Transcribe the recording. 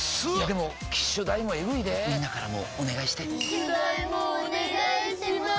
でも機種代もエグいでぇみんなからもお願いして機種代もお願いします